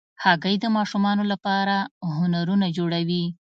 هګۍ د ماشومانو لپاره هنرونه جوړوي.